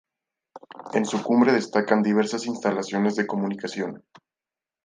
En su cumbre destacan diversas instalaciones de comunicación.